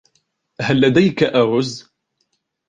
هل لديك أرز ؟